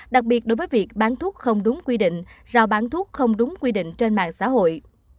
đặc biệt đối với việc bán thuốc không đúng quy định giao bán thuốc không đúng quy định trên mạng xã hội